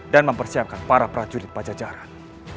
dan mempersiapkan para prajurit pajajaran